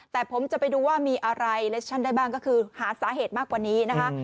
แต่ผมจะไปดูว่ามีอะไรเลสชั่นได้บ้างก็คือหาสาเหตุมากกว่านี้นะคะ